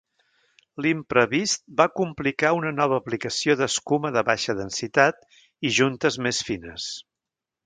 L'imprevist va complicar una nova aplicació d'escuma de baixa densitat, i juntes més fines.